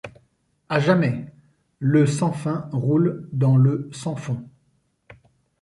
À jamais! le sans fin roule dans le sans fond.